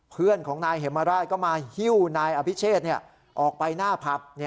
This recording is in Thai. เพื่อนของนายเหมราชก็มาฮิ้วนายอภิเชษออกไปหน้าผับ